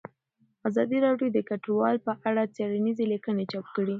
ازادي راډیو د کډوال په اړه څېړنیزې لیکنې چاپ کړي.